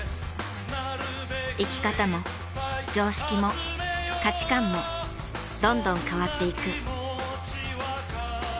生き方も常識も価値観もどんどん変わっていく。